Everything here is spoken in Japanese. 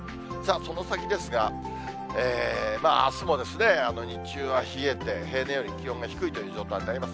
その先ですが、あすも日中は冷えて、平年より気温が低いという状態になります。